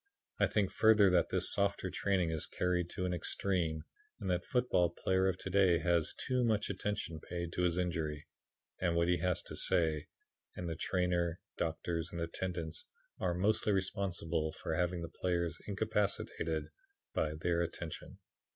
I think further that this softer training is carried to an extreme, and that the football player of to day has too much attention paid to his injury, and what he has to say, and the trainer, doctors and attendants are mostly responsible for having the players incapacitated by their attention.